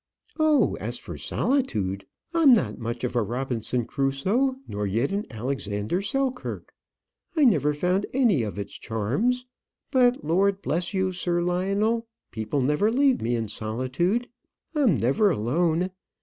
"Oh, as for solitude, I'm not much of a Robinson Crusoe, nor yet an Alexander Selkirk. I never found any of its charms. But, Lord bless you, Sir Lionel, people never leave me in solitude. I'm never alone.